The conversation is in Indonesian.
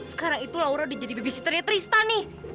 sekarang itu laura udah jadi babysitternya trista nih